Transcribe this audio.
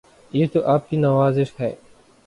یہ تو آپ کی نوازش ہے